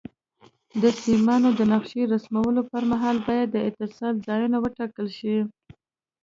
د سیمانو د نقشې رسمولو پر مهال باید د اتصال ځایونه وټاکل شي.